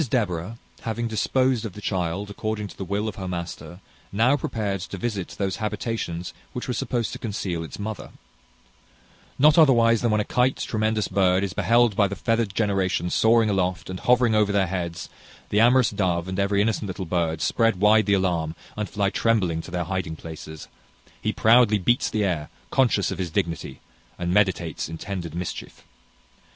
Mrs Deborah, having disposed of the child according to the will of her master, now prepared to visit those habitations which were supposed to conceal its mother. Not otherwise than when a kite, tremendous bird, is beheld by the feathered generation soaring aloft, and hovering over their heads, the amorous dove, and every innocent little bird, spread wide the alarm, and fly trembling to their hiding places. He proudly beats the air, conscious of his dignity, and meditates intended mischief.